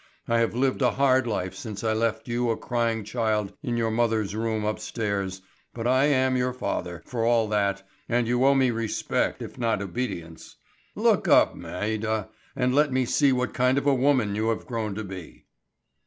I have lived a hard life since I left you a crying child in your mother's room upstairs, but I am your father, for all that, and you owe me respect if not obedience. Look up, Maida, and let me see what kind of a woman you have grown to be."